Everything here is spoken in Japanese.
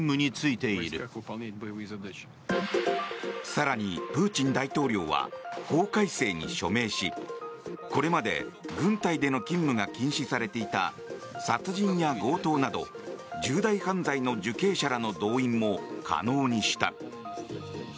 更に、プーチン大統領は法改正に署名しこれまで軍隊での勤務が禁止されていた殺人や強盗など重大犯罪の受刑者らの動員も可能にした。